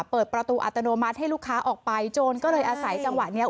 เปิดประตูอัตโนมัติให้ลูกค้าออกไปโจรก็เลยอาศัยจังหวะเนี้ย